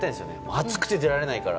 暑くて出られないから。